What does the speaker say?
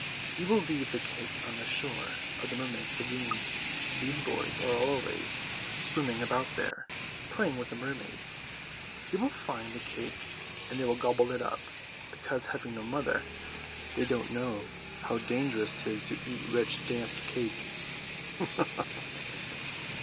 We will leave the cake on the shore of the Mermaids' Lagoon. These boys are always swimming about there, playing with the mermaids. They will find the cake and they will gobble it up, because, having no mother, they don't know how dangerous 'tis to eat rich damp cake."